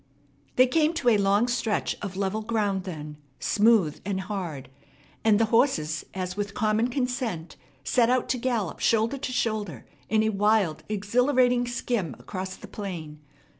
They came to a long stretch of level ground then, smooth and hard; and the horses as with common consent set out to gallop shoulder to shoulder in a wild, exhilarating skim across the plain.